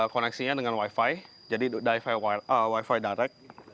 koneksinya dengan wifi jadi wifi direct